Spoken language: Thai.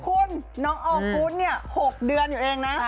คุณน้องอองกูธเนี่ย๖เดือนอยู่เองนะ